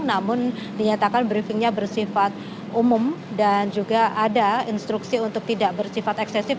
namun dinyatakan briefingnya bersifat umum dan juga ada instruksi untuk tidak bersifat eksesif